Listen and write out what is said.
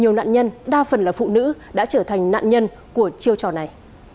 nhiều nạn nhân đa phần là phụ nữ đã trở thành nạn nhân của chiêu trò này